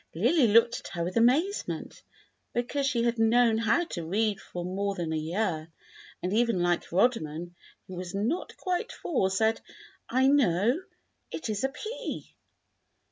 Lily looked at her with amazement, because she had known how to read for more than a year, and even little Rodman, who was not quite four, said, "I know; it is a P."